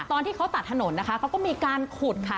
ตอนที่เขาตัดถนนนะคะเขาก็มีการขุดค่ะ